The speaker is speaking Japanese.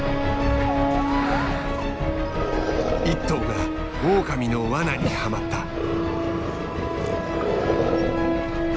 １頭がオオカミの罠にはまった。